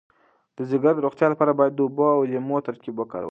د ځیګر د روغتیا لپاره باید د اوبو او لیمو ترکیب وکارول شي.